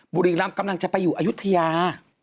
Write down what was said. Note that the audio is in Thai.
บุรีรำกำลังจะไปอยู่อายุทยา